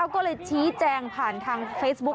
ก็เลยชี้แจงผ่านทางเฟซบุ๊ค